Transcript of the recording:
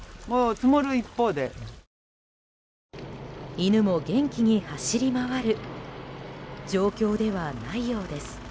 犬も元気に走り回る状況ではないようです。